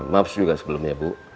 maaf juga sebelumnya bu